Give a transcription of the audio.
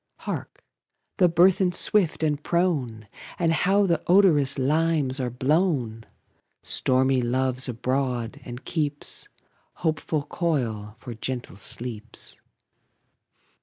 Hark! the burthen, swift and prone! And how the odorous limes are blown! Stormy Love's abroad, and keeps Hopeful coil for gentle sleeps.